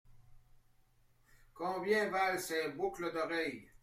Combien valent ces boucles d’oreille ?